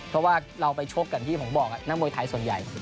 เพราะว่าเราไปชกกันที่ผมบอกนักมวยไทยส่วนใหญ่